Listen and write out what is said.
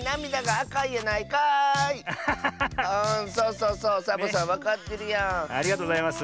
ありがとうございます。